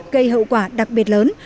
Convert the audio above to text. gây hậu quả đặc biệt lớn